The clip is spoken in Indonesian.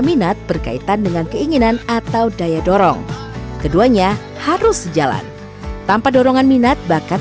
minat berkaitan dengan keinginan atau daya dorong keduanya harus sejalan tanpa dorongan minat bakat